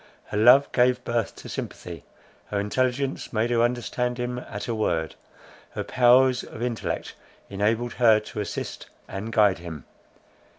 Her love gave birth to sympathy; her intelligence made her understand him at a word; her powers of intellect enabled her to assist and guide him.